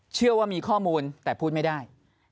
เชื่อว่ามีข้อมูลแต่พูดไม่ได้